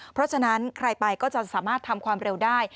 เพราะฉะนั้นใครไปก็จะสามารถทำความเร็วได้